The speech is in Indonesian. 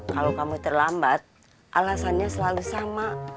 kalau kamu terlambat alasannya selalu sama